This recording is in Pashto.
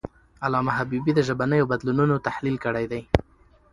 علامه حبیبي د ژبنیو بدلونونو تحلیل کړی دی.